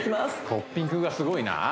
トッピングがすごいなああ